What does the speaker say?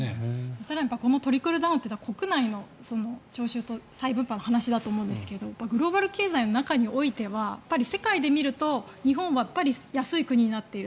更にこのトリクルダウンというのは国内の徴収と再分配の話だと思うんですけどグローバル経済の中においては世界で見ると日本はやっぱり安い国になっている。